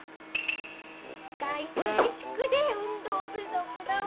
外出自粛で運動不足だわ。